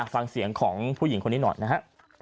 ฟังเสียงของผู้หญิงคนนี้หน่อยนะฮะ